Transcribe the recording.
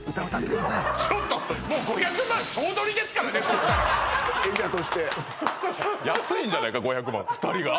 ちょっと５００万総取りですからねそしたら演者として安いんじゃないか５００万２人が？